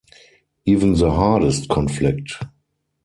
Even the hardest conflict.